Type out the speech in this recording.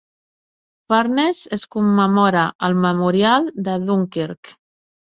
Furness es commemora al Memorial de Dunkirk.